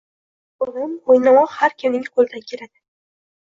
O'g'lim, o'ynamoq har kimning qo'lidan keladi